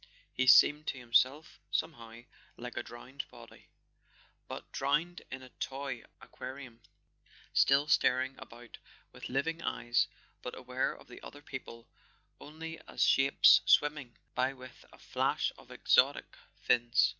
He seemed to himself, somehow, like a drowned body—but drowned [ 228 ] A SON AT THE FRONT in a toy aquarium—still staring about with living eyes, but aware of the other people only as shapes swim¬ ming by with a flash of exotic fins.